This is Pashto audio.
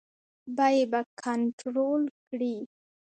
بیې به کنټرول کړي.